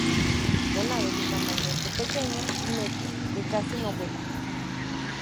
Son aves de tamaño entre pequeño y medio, que casi no vuelan.